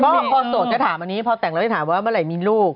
พอสกจะถามอันนี้พอแต่งเราก็จะถามว่าเมื่อไหร่มีลูก